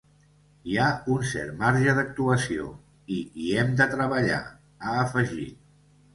Hi ha un cert marge d’actuació i hi hem de treballar, ha afegit.